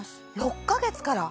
６か月から？